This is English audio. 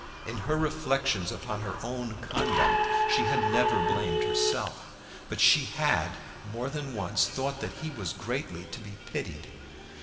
In her reflections upon her own conduct she had never blamed herself, but she had more than once thought that he was greatly to be pitied.